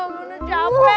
gue udah capek lagi